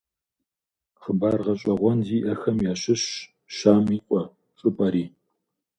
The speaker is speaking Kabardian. Хъыбар гъэщӀэгъуэн зиӀэхэм ящыщщ «Щам и къуэ» щӀыпӀэри.